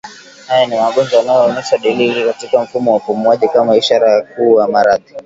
Haya ni magonjwa yanayoonesha dalili katika mfumo wa upumuaji kama ishara kuu ya maradhi